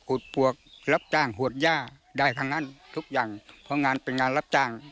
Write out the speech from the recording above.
ปวกรับจ้างหวดย่าได้ทั้งนั้นทุกอย่างเพราะงานเป็นงานรับจ้าง